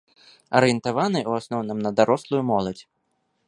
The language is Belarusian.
Арыентаваны ў асноўным на дарослую моладзь.